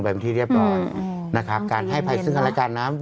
แบบที่เรียบร้อยนะครับการให้ภัยศึกคันละกันนะครับ